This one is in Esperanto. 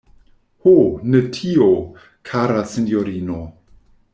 Ho, ne tio, kara sinjorino!